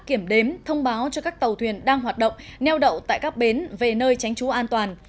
kiểm đếm thông báo cho các tàu thuyền đang hoạt động neo đậu tại các bến về nơi tránh trú an toàn